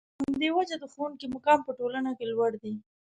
په همدې وجه د ښوونکي مقام په ټولنه کې لوړ دی.